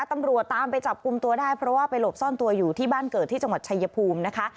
ตำรวจตามไปจับกลุ่มตัวได้เพราะว่าไปหลบซ่อนตัวอยู่ที่บ้านเกิดที่จังหวัดชายภูมินะคะ